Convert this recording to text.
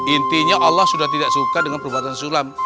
intinya allah sudah tidak suka dengan perbuatan sulam